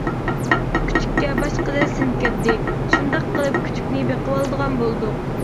كۈچۈككە باشقىدىن سىن كىردى، شۇنداق قىلىپ كۈچۈكنى بېقىۋالىدىغان بولدۇق.